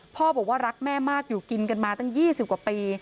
พ่อบอกว่ารักแม่มากอยู่กินกันมาตั้งปียี่สิบกว่า